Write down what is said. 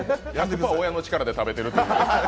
親の力で食べてるという。